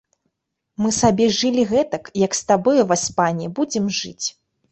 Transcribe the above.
Мы сабе жылі гэтак, як з табою, васпане, будзем жыць.